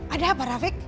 ada apa ravik